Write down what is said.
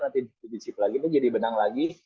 nanti dibikin sip lagi itu jadi benang lagi